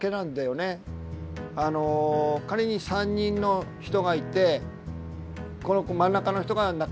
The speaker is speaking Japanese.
あの仮に３人の人がいてこの真ん中の人が仲いい。